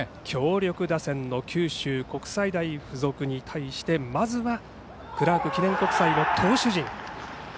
強力打線の九州国際大付属に対してまず、クラーク記念国際の投手陣。